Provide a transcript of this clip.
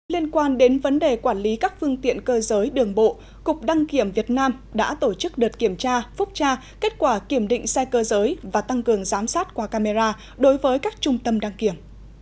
liên quan đến vấn đề quản lý các phương tiện cơ giới đường bộ cục đăng kiểm việt nam đã tổ chức đợt kiểm tra phúc tra kết quả kiểm định xe cơ giới và tăng cường giám sát qua camera đối với các trung tâm đăng kiểm